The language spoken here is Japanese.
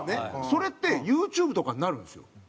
それってＹｏｕＴｕｂｅとかになるんですよ。